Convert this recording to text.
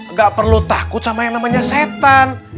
nggak perlu takut sama yang namanya setan